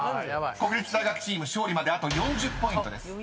［国立大学チーム勝利まであと４０ポイントです］